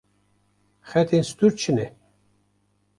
Xetên stûr çi ne?